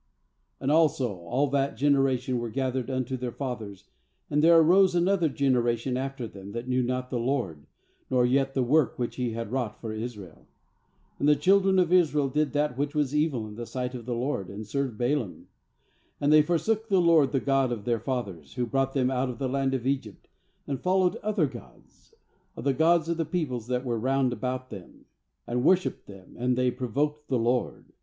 10And also all that generation were gathered unto their fathers; and there arose another generation after them, that knew not the LORD, nor yet the work which He had wrought for Israel. uAnd the children of Israel did that which was evil in the sight of the LORD, and served the Baalim. "And they forsook the LORD, the God of "their f athers^who brought them out of the land of gods, of the », and followed other of the peoples that were 'round libout them, and wor shipped them; and they provoked the LORD.